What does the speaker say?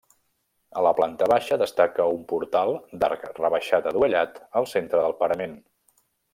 A la planta baixa destaca un portal d'arc rebaixat adovellat al centre del parament.